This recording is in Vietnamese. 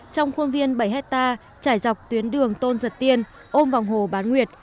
trong khuôn viên bảy hectare trải dọc tuyến đường tôn giật tiên ôm vào hồ bán nguyệt